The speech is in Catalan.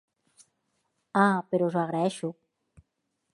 Ah, però us ho agraeixo!